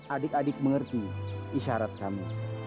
adik adik mengerti isyarat kami